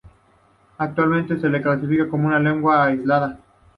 Actualmente se la clasifica como una lengua aislada.